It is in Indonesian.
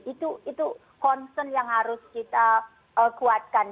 itu concern yang harus kita kuatkan